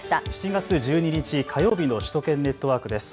７月１２日火曜日の首都圏ネットワークです。